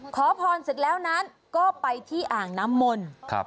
ขอพรเสร็จแล้วนั้นก็ไปที่อ่างน้ำมนต์